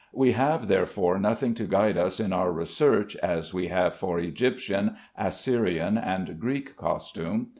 We have therefore nothing to guide us in our research, as we have for Egyptian, Assyrian, and Greek costume.